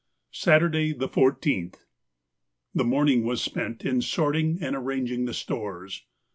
Saturday, the 14th.—The morning was spent in sorting and arranging the stores.